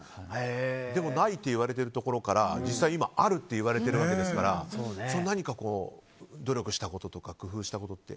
ないと言われているところから実際、今あるって言われているわけですから何か努力したこととか工夫したことって。